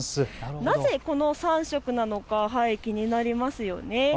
なぜこの３色なのか気になりますよね。